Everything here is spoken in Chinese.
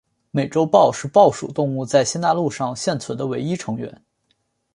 美洲豹是豹属动物在新大陆上现存的唯一成员。